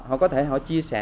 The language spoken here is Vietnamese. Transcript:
họ có thể họ chia sẻ